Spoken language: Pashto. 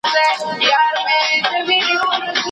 د خپل عرش په کنګره کي هم ښاغلی هم امام یم